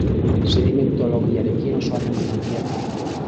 Sedimentologiarekin oso harreman handia du.